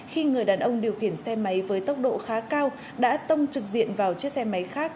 khi người đàn ông điều khiển xe máy với tốc độ khá cao đã tông trực diện vào chiếc xe máy khác